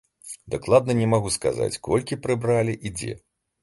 Дакладна не магу сказаць, колькі прыбралі і дзе.